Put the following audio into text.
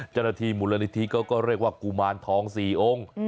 จรภีมุลนิธิก็เรียกว่ากุมารทอง๔องค์